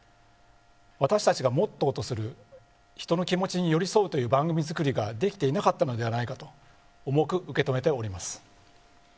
私たちがモットーとする人の気持ちに寄り添うという番組作りができていなかったのではないかと重く受け止めております。